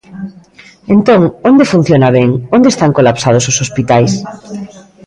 Entón, ¿onde funciona ben?, ¿onde están colapsados os hospitais?